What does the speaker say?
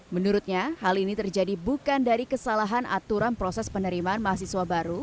menurutnya hal ini terjadi bukan dari kesalahan aturan proses penerimaan mahasiswa baru